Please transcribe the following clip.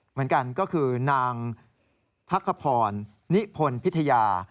เหมือนกันก็คือนางพักขพรนิพลพิทยา